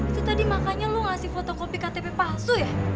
itu tadi makanya lo ngasih fotokopi ktp palsu ya